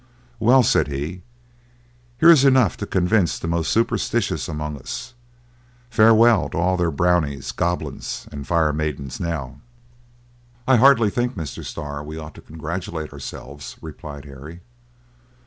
"Well," said he, "here is enough to convince the most superstitious among us. Farewell to all their brownies, goblins, and fire maidens now!" "I hardly think, Mr. Starr, we ought to congratulate ourselves," replied Harry.